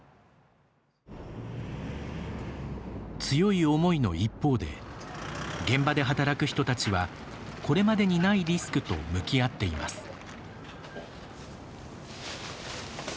強い思いの一方で現場で働く人たちはこれまでにないリスクと向き合っています。